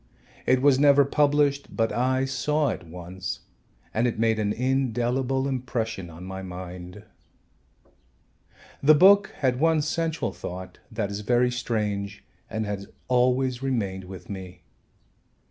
It was never published, but I saw it once and it made an indelible impression on my mind. The book had one central thought that is very strange and has always remained with me.